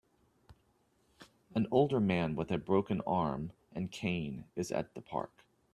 An older man with a broken arm and cane is at the park.